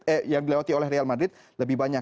e yang dilewati oleh real madrid lebih banyak